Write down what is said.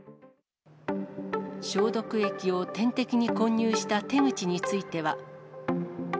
消毒液を点滴に混入した手口については。